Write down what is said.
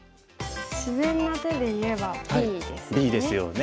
自然な手で言えばＢですよね。